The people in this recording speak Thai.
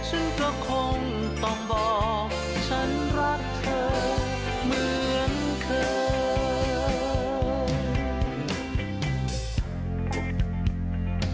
ฉันก็คงต้องบอกฉันรักเธอเหมือนเคย